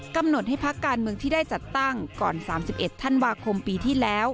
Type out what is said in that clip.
กำหนดให้พักการเมืองที่ได้จัดตั้งก่อน๓๑ธันวาคมปีที่แล้ว